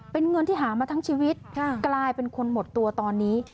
เป็นเงินที่หามาทั้งชีวิตกลายเป็นคนหมดตัวตอนนี้